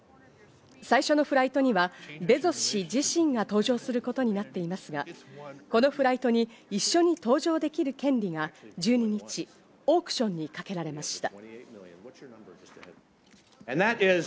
最初のフライトにはベゾス氏自身が搭乗することになっていますが、このフライトに一緒に搭乗できる権利が１２日、オークションにかけられました。